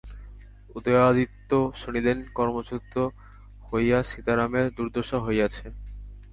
উদয়াদিত্য শুনিলেন কর্মচ্যুত হইয়া সীতারামের দুর্দশা হইয়াছে।